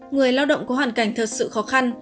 người lao động có hoàn cảnh thật sự khó khăn